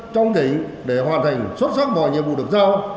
trong tỉnh để hoàn thành xuất sắc mọi nhiệm vụ được giao